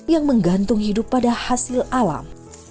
yang menggantung hidup pada hasil alam